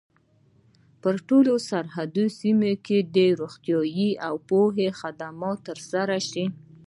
په ټولو سرحدي سیمو کي دي روغتیايي او د پوهني خدمات تر سره سي.